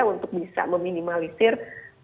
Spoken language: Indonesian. untuk bisa meminimalisir